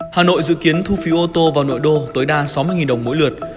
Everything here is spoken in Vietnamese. hà nội dự kiến thu phí ô tô vào nội đô tối đa sáu mươi đồng mỗi lượt